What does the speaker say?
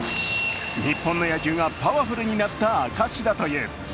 日本の野球がパワフルになった証しだという。